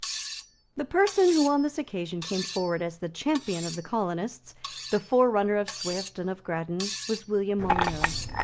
The person who on this occasion came forward as the champion of the colonists, the forerunner of Swift and of Grattan, was William Molyneux.